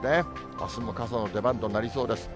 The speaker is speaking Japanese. あすも傘の出番となりそうです。